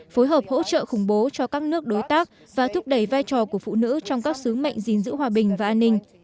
phối hợp hỗ trợ khủng bố cho các nước đối tác và thúc đẩy vai trò của phụ nữ trong các sứ mệnh gìn giữ hòa bình và an ninh